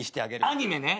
アニメね。